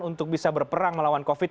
untuk bisa berperang melawan covid sembilan